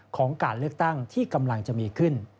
ของการเลือกตั้งที่กำลังจะมีขึ้น